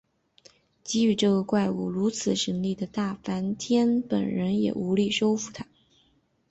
给予这个怪物如此神力的大梵天本人也无力收服它。